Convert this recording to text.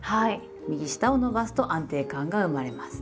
右下を伸ばすと安定感が生まれます。